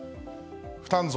負担増？